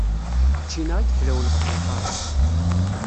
Ččina i yeḥlawen ɣef lqareṣ.